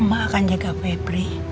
mak akan jaga febri